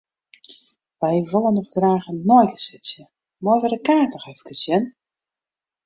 Wy wolle noch graach in neigesetsje, meie wy de kaart noch efkes sjen?